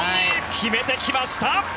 決めてきました！